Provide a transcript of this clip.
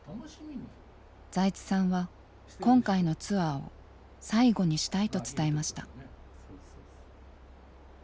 財津さんは今回のツアーを「最後にしたい」と伝えました。